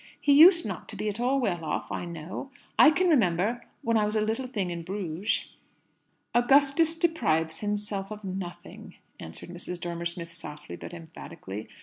He used not to be at all well off, I know. I can remember when I was a little thing in Bruges." "Augustus deprives himself of nothing," answered Mrs. Dormer Smith softly, but emphatically.